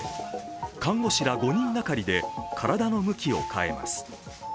看護師ら５人がかりで体の向きを変えます。